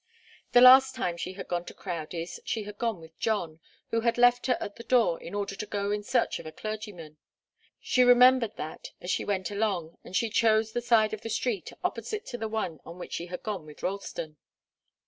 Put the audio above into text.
The last time she had gone to Crowdie's she had gone with John, who had left her at the door in order to go in search of a clergyman. She remembered that, as she went along, and she chose the side of the street opposite to the one on which she had gone with Ralston.